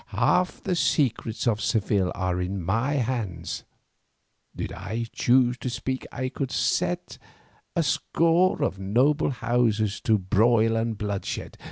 Half the secrets of Seville are in my hands; did I choose to speak I could set a score of noble houses to broil and bloodshed.